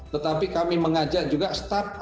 tetapi kami mengajak juga startup indonesia